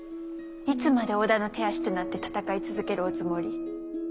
いつまで織田の手足となって戦い続けるおつもり？